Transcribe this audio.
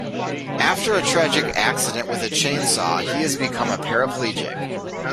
After a tragic accident with a chainsaw he has become a paraplegic.